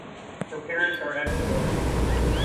Her parents are Ecuadorian.